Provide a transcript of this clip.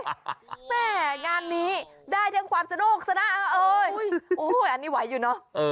แม่งานนี้ได้ทั้งความสนุกสนะเอออันนี้ไหวอยู่เนอะ